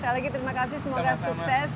sekali lagi terima kasih semoga sukses